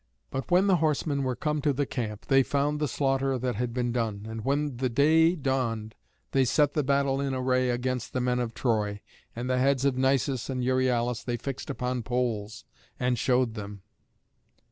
But when the horsemen were come to the camp, they found the slaughter that had been done. And when the day dawned they set the battle in array against the men of Troy, and the heads of Nisus and Euryalus they fixed upon poles, and showed them.